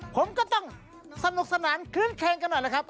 ผมก็ต้องสนุกสนานคื้นเครงกันหน่อยนะครับ